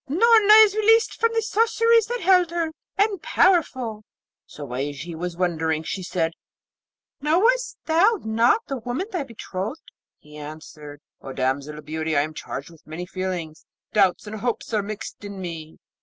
Noorna, is released from the sorceries that held her, and powerful.' So, while he was wondering, she said, 'Knowest thou not the woman, thy betrothed?' He answered, 'O damsel of beauty, I am charged with many feelings; doubts and hopes are mixed in me.